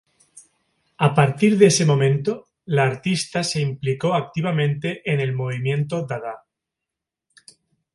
A partir de ese momento, la artista se implicó activamente en el movimiento dadá.